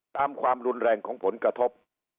ความรุนแรงของผลกระทบ